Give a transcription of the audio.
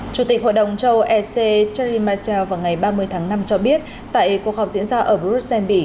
chủ tịch hội đồng châu âu ec charlie marchal vào ngày ba mươi tháng năm cho biết tại cuộc họp diễn ra ở brussels